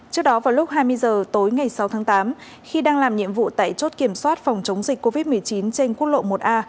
trước đó vào lúc hai mươi h tối ngày sáu tháng tám khi đang làm nhiệm vụ tại chốt kiểm soát phòng chống dịch covid một mươi chín trên quốc lộ một a